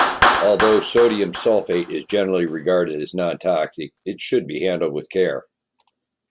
Although sodium sulfate is generally regarded as non-toxic, it should be handled with care.